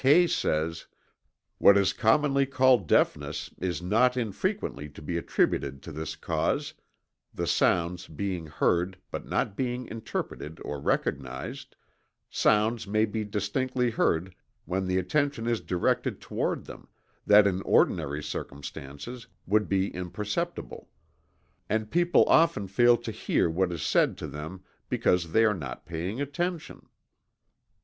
Kay says: "What is commonly called deafness is not infrequently to be attributed to this cause the sounds being heard but not being interpreted or recognized ... sounds may be distinctly heard when the attention is directed toward them, that in ordinary circumstances would be imperceptible; and people often fail to hear what is said to them because they are not paying attention."